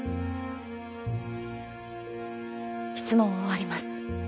質問を終わります。